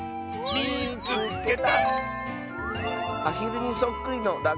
「みいつけた！」。